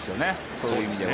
そういう意味では。